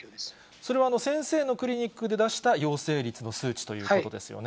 それは先生のクリニックで出した陽性率の数値ということですよね。